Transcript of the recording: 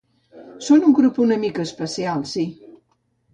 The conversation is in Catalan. Són un grup una mica especial, sí.